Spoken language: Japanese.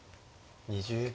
２０秒。